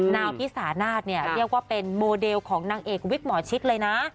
วพิสานาศเนี่ยเรียกว่าเป็นโมเดลของนางเอกวิกหมอชิดเลยนะ